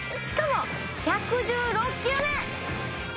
しかも１１６球目。